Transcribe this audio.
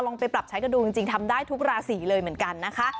ไปปรับใช้กันดูจริงทำได้ทุกราศีเลยเหมือนกันนะคะ